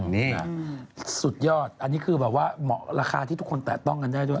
นี่ไงสุดยอดอันนี้คือแบบว่าเหมาะราคาที่ทุกคนแตะต้องกันได้ด้วย